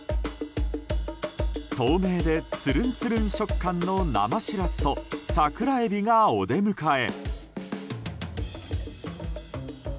透明でつるんつるん食感の生シラスとサクラエビがお出迎え。